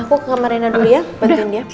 ma aku ke kamar rina dulu ya bantuin dia